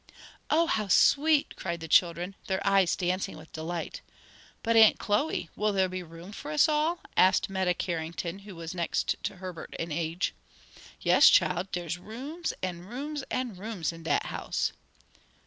"Oh how sweet!" cried the children, their eyes dancing with delight. "But Aunt Chloe, will there be room for us all?" asked Meta Carrington, who was next to Herbert in age. "Yes, chile: dere's rooms, an' rooms an' rooms in dat house."